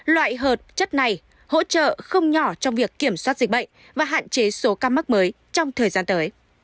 loại hợp chất này hỗ trợ không nhỏ trong việc kiểm soát dịch bệnh và hạn chế số ca mắc mới trong thời gian tới